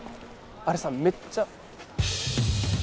あれさめっちゃ。